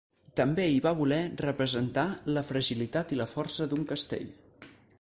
També hi va voler representar la fragilitat i la força d'un castell.